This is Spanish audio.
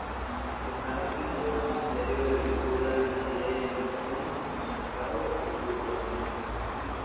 Está adscrito al Ministerio de Agricultura, Ganadería y Alimentación sin menoscabo de su autonomía.